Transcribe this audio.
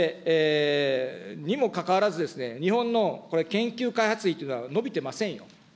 にもかかわらず、日本のこれ、研究開発費というのは伸びてませんよ。